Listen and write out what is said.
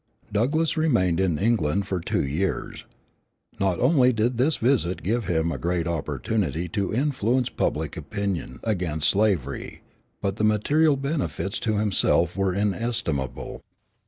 Douglass remained in England two years. Not only did this visit give him a great opportunity to influence British public opinion against slavery, but the material benefits to himself were inestimable.